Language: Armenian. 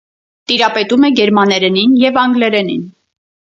Տիրապետում է գերմաներենին և անգլերենին։